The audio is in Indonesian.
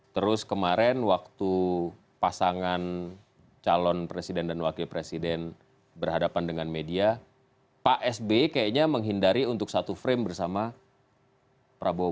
terus kemarin waktu pasangan calon presiden dan wakil presiden berhadapan dengan media pak sb kayaknya menghindari untuk satu frame bersama prabowo